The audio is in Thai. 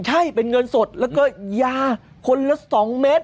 ใช่เป็นเงินสดแล้วก็ยาคนละ๒เมตร